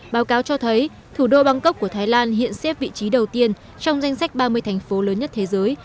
báo cáo cho thấy thủ đô bangkok của thái lan hiện xếp vị trí đầu tiên trong danh sách ba mươi thành phố lớn nhất thế giới